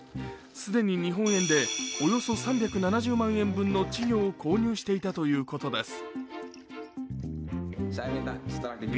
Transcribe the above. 既に日本円でおよそ３７０万円分の稚魚を購入していたということです。